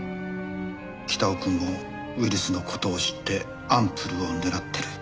北尾くんもウイルスの事を知ってアンプルを狙ってる。